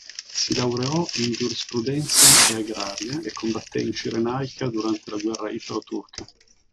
Si laureò in giurisprudenza e agraria e combatté in Cirenaica durante la guerra italo-turca.